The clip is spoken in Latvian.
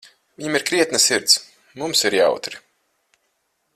Viņam ir krietna sirds, mums ir jautri.